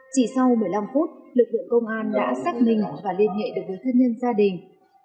chỉ sau một mươi năm phút lực lượng công an đã xác minh và liên hệ được với thân nhân gia đình